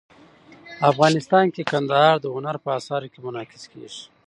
افغانستان کې کندهار د هنر په اثار کې منعکس کېږي.